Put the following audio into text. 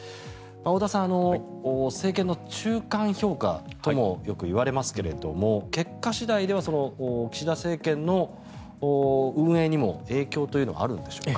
太田さん、政権の中間評価ともよく言われますが結果次第では岸田政権の運営にも影響というのはあるんでしょうか。